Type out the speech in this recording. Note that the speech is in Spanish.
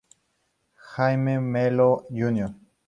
Jaime Melo Jr.